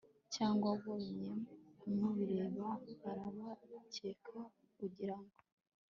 cyangwa wabonye mubireba barabareka ugirango